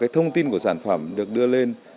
thông tin của sản phẩm được đưa lên